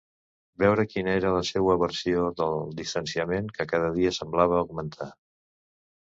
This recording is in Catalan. Veure quina era la seua versió del distanciament que cada dia semblava augmentar.